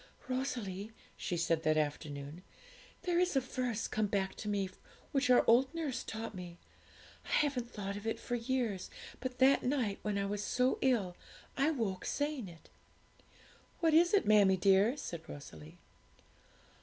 'Rosalie,' she said, that afternoon, 'there is a verse come back to me which our old nurse taught me; I haven't thought of it for years, but that night when I was so ill I woke saying it.' 'What is it, mammie dear?' said Rosalie.